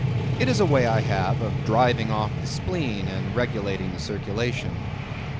It is a way I have of driving off the spleen and regulating the circulation.